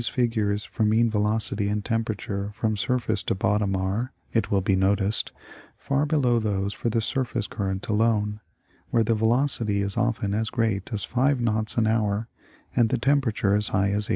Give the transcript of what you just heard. figures for mean velocity and temperature from surface to bottom ai'e, it will be noticed, far below those for the surface current alone, where the velocity is often as great as five knots an hour, and the temperature as high as 80°.